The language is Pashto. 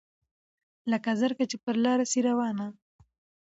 لکه زرکه چي پر لاره سي روانه